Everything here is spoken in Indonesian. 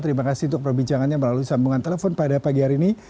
terima kasih untuk perbincangannya melalui sambungan telepon pada pagi hari ini